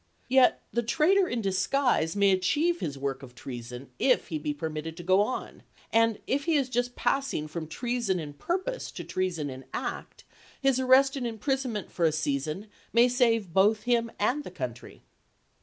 Yet the traitor in disguise may achieve his work of treason if he be permitted to go on, and if he is just passing from treason in purpose to treason in act, his arrest and imprison ment for a season may save both him and the country."